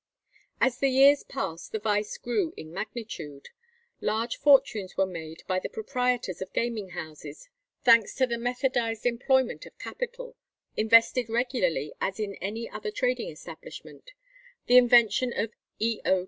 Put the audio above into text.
As the years passed the vice grew in magnitude. Large fortunes were made by the proprietors of gaming houses, thanks to the methodized employment of capital (invested regularly as in any other trading establishment), the invention of E. O.